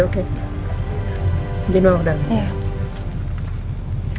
mungkin mbak udah bilang